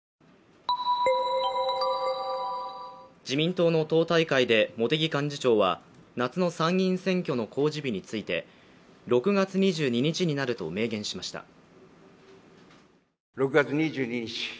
自民党の党大会で茂木幹事長は、夏の参議院選挙の公示日について６月２２日になると明言しました。